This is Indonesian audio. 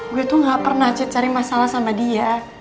gue tuh gak pernah cari masalah sama dia